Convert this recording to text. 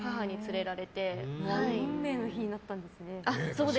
運命の日になったんですね。